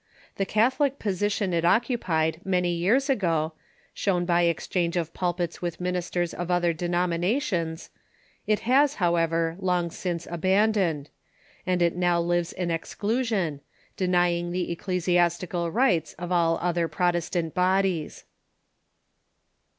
The catholic position it occupied many years ago, shown by exchange of pulpits with ministers of other de THE CONG KEG ATIOJTAL CHURCH 511 nominations, it has, however, long since abandoned; and it now lives in exclusion, denying the ecclesiastical rights of all other Protestant bodies.